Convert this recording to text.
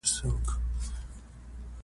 ژبه د زدهکړې تر ټولو قوي وسیله ده.